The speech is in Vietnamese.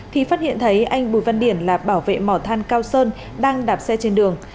thì phát hiện thấy anh bùi văn điển là bảo vệ mỏ than cao sơn đang đạp xe trên đường